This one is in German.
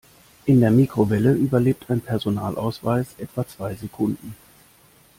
In der Mikrowelle überlebt ein Personalausweis etwa zwei Sekunden.